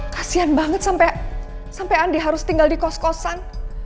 kasihan banget sampe andi harus tinggal di kos kosan